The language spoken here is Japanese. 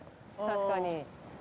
確かに。